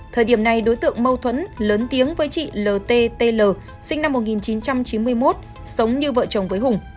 thời điểm này đối tượng mâu thuẫn lớn tiếng với chị l t t l sinh năm một nghìn chín trăm chín mươi một sống như vợ chồng với hùng